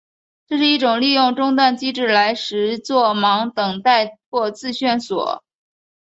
这是一种利用中断机制来实作忙等待或自旋锁。